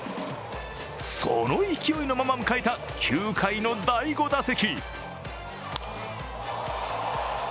その勢いのまま迎えた９回の第５打席。